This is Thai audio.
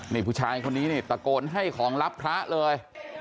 นี่ผู้ชายคนนี้นี่ตะโกนให้ของรับพระเลย